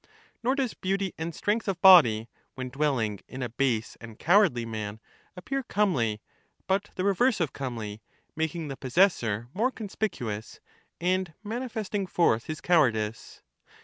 Nor does beauty and strength of body, when dwelling in a base and cowardly man, appear comely, but the reverse of comely, making the possessor more con spicuous, and manifesting forth his cowardice.